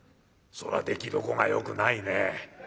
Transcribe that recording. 「そらできどこがよくないねえ。